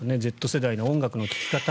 Ｚ世代の音楽の聴き方。